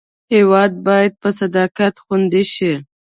هېواد باید په صداقت خوندي شي.